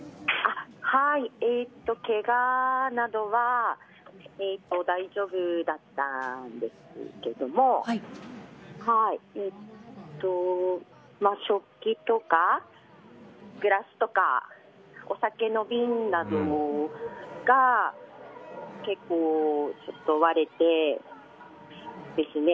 けがなどは大丈夫だったんですけども食器とか、グラスとかお酒の瓶などが結構、割れてですね。